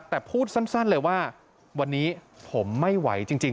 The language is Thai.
แต่พูดสั้นเลยว่าวันนี้ผมไม่ไหวจริง